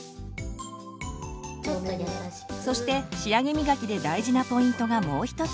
そして仕上げみがきで大事なポイントがもう一つ。